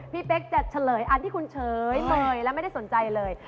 เป๊กจะเฉลยอันที่คุณเฉยเลยและไม่ได้สนใจเลย